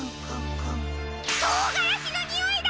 とうがらしのにおいだ！